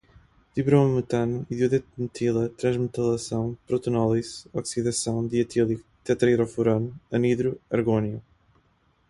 dibromoetano, iodeto de metila, transmetalação, protonólise, oxidação, dietílico, tetraidrofurano, anidro, argônio